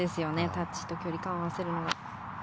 タッチと距離感を合わせるのが。